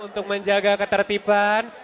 untuk menjaga ketertiban